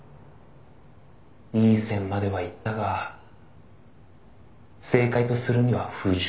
「いい線まではいったが正解とするには不十分だ」